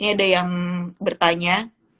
ini ada yang bertanya